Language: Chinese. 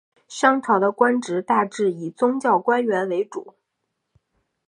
商朝的官职大致以宗教官员为主。